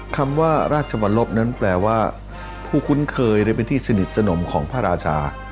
คำว่าราชวรรลบนั้นแปลว่าผู้คุ้นเคยและเป็นที่สนิทสนมของพระราชา